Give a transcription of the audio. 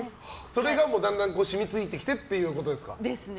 それがだんだんしみついてきてっていうことですか。